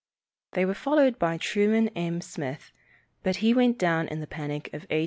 They were followed by Truman M. Smith, but he went down in the panic of 1857 58.